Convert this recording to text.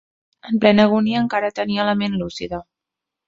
En plena agonia, encara tenia la ment lúcida.